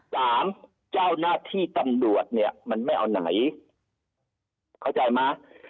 เจ้าหน้าที่ตำรวจเนี่ยมันไม่เอาไหนเข้าใจไหม